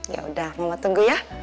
yaudah mama tunggu ya